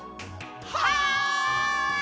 はい！